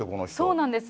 そうなんです。